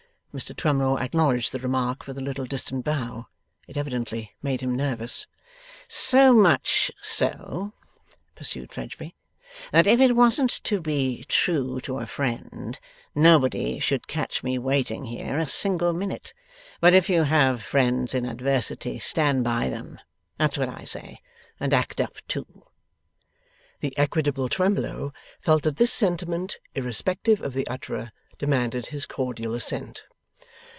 Mr Twemlow acknowledged the remark with a little distant bow. It evidently made him nervous. 'So much so,' pursued Fledgeby, 'that if it wasn't to be true to a friend, nobody should catch me waiting here a single minute. But if you have friends in adversity, stand by them. That's what I say and act up to.' The equitable Twemlow felt that this sentiment, irrespective of the utterer, demanded his cordial assent.